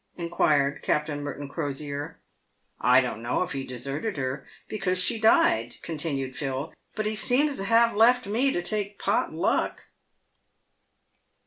inquired Captain Merton Crosier. " I don't know if he deserted her, because she died," continued Phil ; "but he seems to have left me to take pot luck."